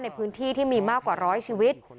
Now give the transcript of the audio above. ในพื้นที่ที่มีมากกว่าร้อยชีวิต